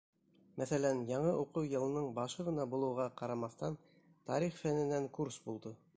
Мәҫәлән, яңы уҡыу йылының башы ғына булыуға ҡарамаҫтан, тарих фәненән курс булды.